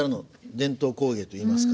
伝統工芸といいますか。